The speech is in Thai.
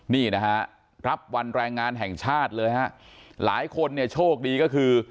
นี่นะฮะรับวันแรงงานแห่งชาติเลยฮะหลายคนเนี่ยโชคดีก็คือ